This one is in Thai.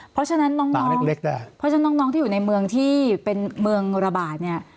เพราะฉะนั้นน้องที่อยู่ในเมืองที่เป็นเมืองระบาดนี่